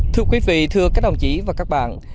thưa quý vị thưa các đồng chí và các bạn